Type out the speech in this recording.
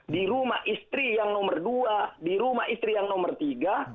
di rumah istri yang nomor dua di rumah istri yang nomor tiga